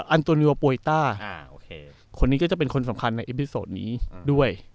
อันโตเนียโอโปยต้าคนนี้ก็จะเป็นคนสำคัญในอิพิโซดนี้ด้วย